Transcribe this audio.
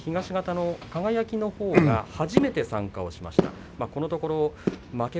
輝のほうが初めて参加しました。